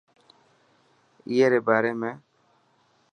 اي ري باري ۾.